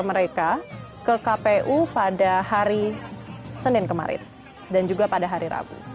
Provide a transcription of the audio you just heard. mereka ke kpu pada hari senin kemarin dan juga pada hari rabu